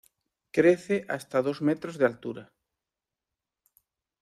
Crece hasta dos metros de altura.